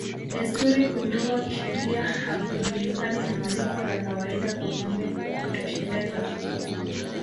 Desturi Kunyongwa kisheria hakujulikani na malipo ya kawaida kwa ngombe hutosheleza